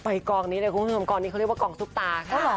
กองนี้เลยคุณผู้ชมกองนี้เขาเรียกว่ากองซุปตาค่ะ